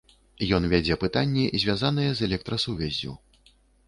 Ён вядзе пытанні, звязаныя з электрасувяззю.